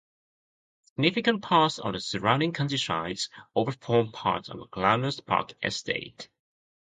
Significant parts of the surrounding countryside, over form part of the Glanusk Park estate.